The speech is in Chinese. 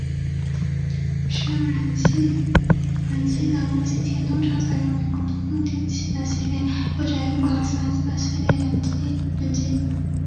使用燃气轮机的补给舰通常采用美国通用电气的系列或英国劳斯莱斯的系列燃气轮机。